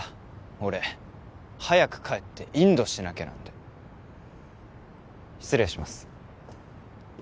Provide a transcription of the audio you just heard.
俺早く帰ってインドしなきゃなんで失礼します